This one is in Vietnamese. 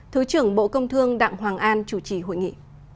thứ trưởng bộ công thương đặng hoàng an chủ trì hội nghị